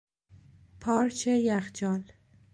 پارچ یخچال